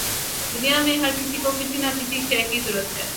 دنیا میں ہر کسی کو کسی نہ کسی شے کی ضرورت ہے۔